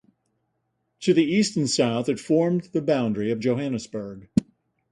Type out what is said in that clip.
To the east and south, it formed the boundary of Johannesburg.